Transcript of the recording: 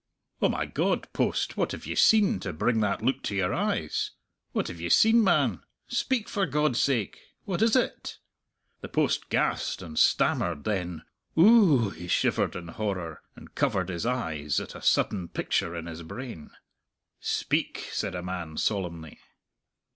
"Oh, my God, Post, what have you seen, to bring that look to your eyes? What have you seen, man? Speak, for God's sake! What is it?" The post gasped and stammered; then "Ooh!" he shivered in horror, and covered his eyes, at a sudden picture in his brain. "Speak!" said a man solemnly.